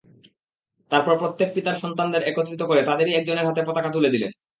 তারপর প্রত্যেক পিতার সন্তানদের একত্রিত করে তাদেরই একজনের হাতে পতাকা তুলে দিলেন।